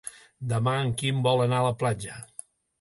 Demà en Quim vol anar a la platja.